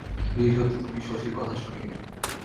বিশেষত তুমি শশীর কথা শুনিবে।